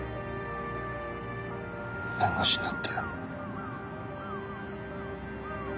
弁護士になって。